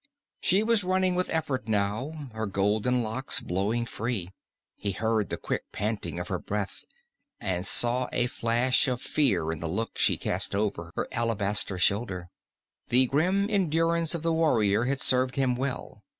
She was running with effort now, her golden locks blowing free; he heard the quick panting of her breath, and saw a flash of fear in the look she cast over her alabaster shoulder. The grim endurance of the warrior had served him well.